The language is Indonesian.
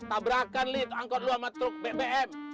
tabrakan lu itu angkot lu sama truk bbm